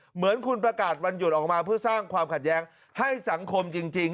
เหมือนคุณประกาศวันหยุดออกมาเพื่อสร้างความขัดแย้งให้สังคมจริง